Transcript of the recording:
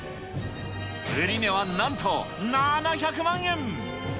売値はなんと７００万円。